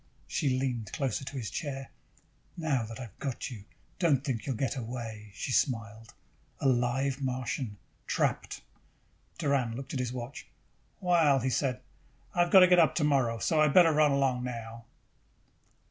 She leaned closer to his chair. "Now that I've got you, don't think you'll get away," she smiled. "A live Martian, trapped!" Doran looked at his watch. "Well," he said, "I have got to get up tomorrow, so I had better run along now."